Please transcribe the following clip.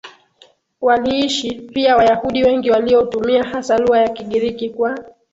waliishi pia Wayahudi wengi waliotumia hasa lugha ya Kigiriki Kwa